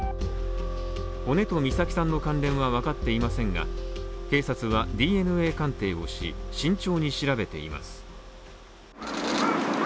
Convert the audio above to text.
骨と美咲さんの関連はわかっていませんが、警察はＤＮＡ鑑定をし慎重に調べています。